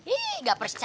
ih nggak percaya